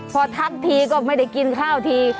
พอทักทีก็ไม่ได้กินข้าวที